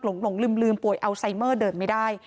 หลงลืมป่วยอัลไซเมอร์เดินไม่ได้